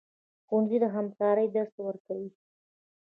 ښوونځی د همکارۍ درس ورکوي